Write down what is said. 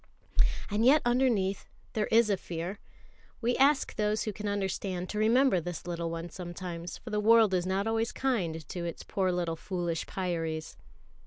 And yet underneath there is a fear; and we ask those who can understand to remember this little one sometimes, for the world is not always kind to its poor little foolish Pyâries.